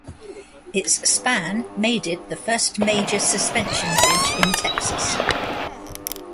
Its span made it the first major suspension bridge in Texas.